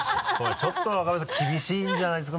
ちょっと若林さん厳しいんじゃないですか？